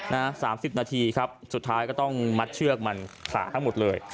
๓๐นาทีครับสุดท้ายก็ต้องมัดเชือกมันสระให้หมดเลย